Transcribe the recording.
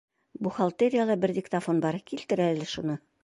Бухгалтерияла бер диктофон бар, килтер әле шуны.